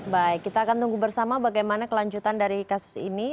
baik kita akan tunggu bersama bagaimana kelanjutan dari kasus ini